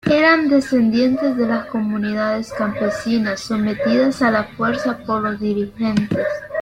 Eran descendientes de las comunidades campesinas sometidas a la fuerza por los dirigentes.